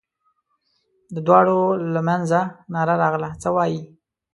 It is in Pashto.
د دوړو له مينځه ناره راغله: څه وايې؟